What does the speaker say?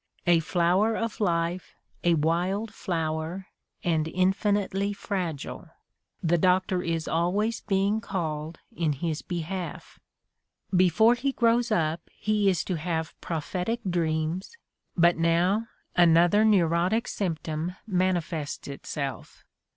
A flower of life, a wild flower, and infinitely fragile: the doctor is always being called in his behalf. Before he grows up he is to have prophetic dreams, but now another neurotic sjnnptom manifests itself.